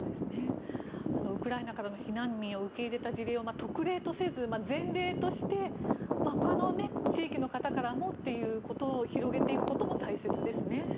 ウクライナからの避難民を受け入れた事例を特例とせず、前例として他の地域の方からもというので広げていくことも大切ですね。